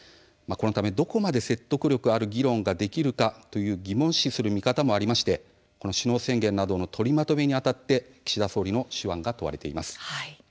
どこまで説得力ある議論ができるかと疑問視する見方もありまして首脳宣言などの取りまとめにあたって岸田総理の手腕が問われています。